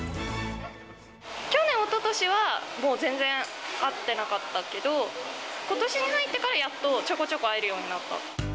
去年、おととしはもう全然、会ってなかったけど、ことしに入ってからやっとちょこちょこ会えるようになった。